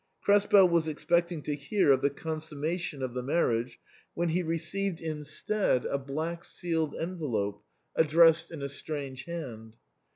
Krespel was expecting to hear of the consummation of the mar riage, when he received instead a black sealed envelope addressed in a strange hand.